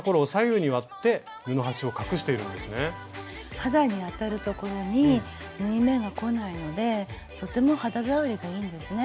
肌に当たる所に縫い目がこないのでとても肌触りがいいんですね。